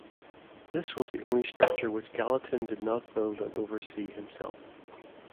This was the only structure which Gallatin did not build and oversee himself.